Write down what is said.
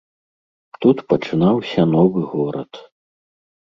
Тут пачынаўся новы горад.